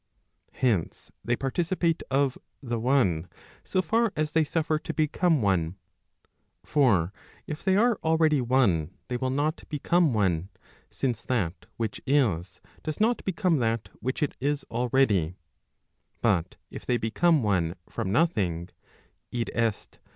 Hence, they participate of the one so far as they suffer to become one. For, if they are already one they will not become one; since that which is does Digitized by t^OOQLe 302 ELEMENTS PROP. IV. V. not become that which it is already. But if they become one from nothing, i. e.